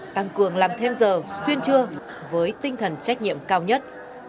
tăng cường làm thêm giờ xuyên trưa với tinh thần trách nhiệm cao nhất